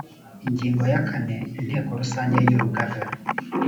ingingo ya kane inteko rusange y’urugaga